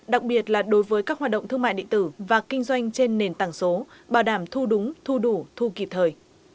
đặc biệt là đối với các hoạt động thương mại điện tử và kinh doanh trên nền tảng số bảo đảm thu đúng thu đủ thu kịp thời